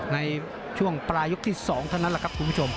ในช่วงปลายยกที่๒เท่านั้นแหละครับคุณผู้ชม